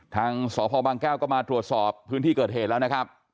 ทางสพบางแก้วก็มาตรวจสอบพื้นที่เกิดเหตุแล้วนะครับ